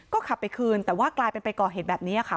ก็ขับไปคืนแต่ว่ากลายเป็นไปก่อเหตุแบบนี้ค่ะ